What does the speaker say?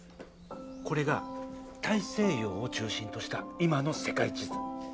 これが大西洋を中心とした今の世界地図。